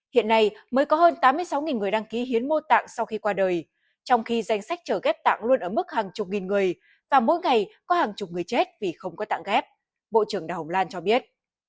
hiện nay mới có hơn tám mươi sáu người đăng ký hiến mô tạng sau khi qua đời trong khi danh sách chở ghép tạng luôn ở mức hàng chục nghìn người và mỗi ngày có hàng chục người chết vì không có tạng ghép bộ trưởng đào hồng lan cho biết